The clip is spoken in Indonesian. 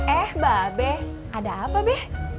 eh mbak abe ada apa be